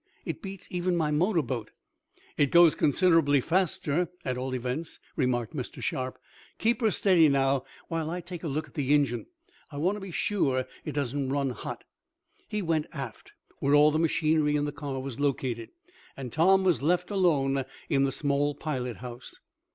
It beats even my motor boat!" "It goes considerably faster, at all events," remarked Mr. Sharp. "Keep her steady now, while I take a look at the engine. I want to be sure it doesn't run hot." He went aft, where all the machinery in the car was located, and Tom was left alone in the small pilot house.